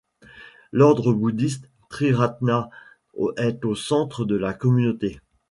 L’Ordre bouddhiste Triratna est au centre de la Communauté.